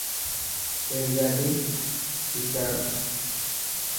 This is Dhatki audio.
ريل گاڏي ڀيچاڙ.